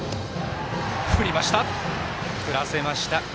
振らせました。